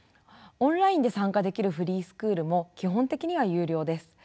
オンラインで参加できるフリースクールも基本的には有料です。